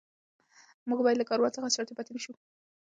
موږ باید له کاروان څخه شاته پاتې نه شو.